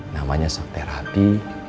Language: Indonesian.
namanya sok terapi